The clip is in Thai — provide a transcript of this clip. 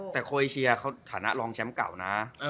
แต่โคเอเชียเขาฐานะรองแชมป์เก่านะ